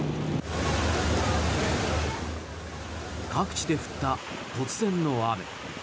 各地で降った突然の雨。